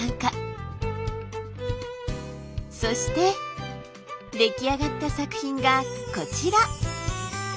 そして出来上がった作品がこちら！